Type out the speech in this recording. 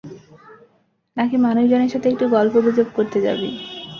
নাকি মানুষজনের সাথে একটু গুল্পগুজব করতে যাবি?